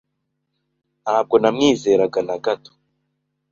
Ntabwo namwizeraga na gato.